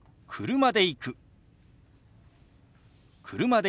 「車で行く」。